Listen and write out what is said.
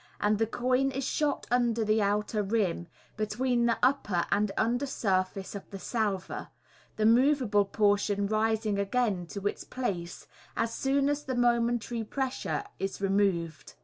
98), and the coin is shot under the outer rim, between the upper and under surface of the salver, the move able portion rising again to its place as soon as the momentary pressure is removed.